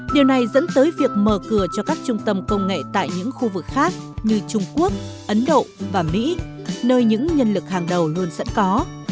điều này dẫn tới việc mở cửa cho các trung tâm công nghệ tại những khu vực khác như trung quốc ấn độ và mỹ nơi những nhân lực hàng đầu luôn sẵn có